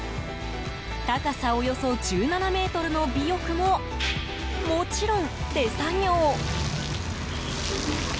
高さ、およそ１７ｍの尾翼ももちろん手作業。